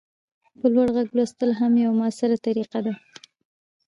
په لوړ غږ لوستل هم یوه مؤثره طریقه ده.